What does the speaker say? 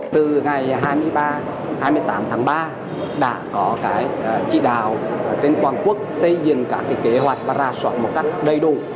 từ ngày hai mươi ba hai mươi tám tháng ba đã có chỉ đạo trên toàn quốc xây dựng các kế hoạch và rà soát một cách đầy đủ